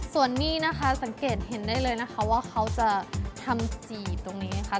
ส่วนนี้นะคะสังเกตเห็นได้เลยนะคะว่าเขาจะทำจีบตรงนี้นะคะ